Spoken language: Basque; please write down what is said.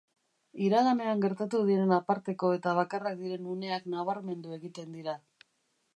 Iraganean gertatu diren aparteko eta bakarrak diren uneak nabarmendu egiten dira.